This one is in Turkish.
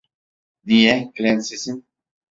Niye, prensesim?